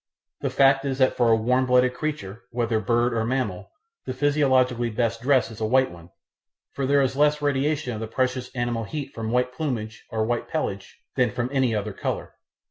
The fact is that for a warm blooded creature, whether bird or mammal, the physiologically best dress is a white one, for there is less radiation of the precious animal heat from white plumage or white pelage than from any other colour.